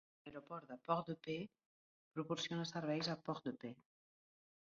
L'Aeroport de Port-de-Paix proporciona serveis a Port-de-Paix.